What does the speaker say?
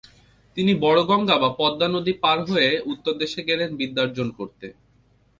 তিনি “বড়গঙ্গা” বা পদ্মানদী পার হয়ে উত্তরদেশে গেলেন বিদ্যার্জন করতে।